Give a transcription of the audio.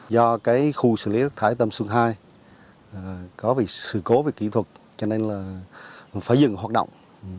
do cái khu xử lý rác thải tâm xuân hai có bị sự cố về kỹ thuật cho nên là phải dừng hoạt động